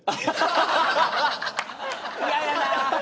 嫌やな！